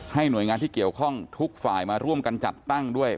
หน่วยงานที่เกี่ยวข้องทุกฝ่ายมาร่วมกันจัดตั้งด้วย